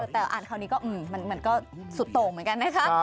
แต่อ่านคราวนี้ก็มันก็สุดโต่งเหมือนกันนะคะ